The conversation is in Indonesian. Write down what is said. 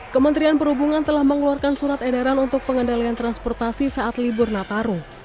kementerian perhubungan telah mengeluarkan surat edaran untuk pengendalian transportasi saat libur nataru